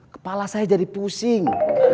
kepala saya jadi pusing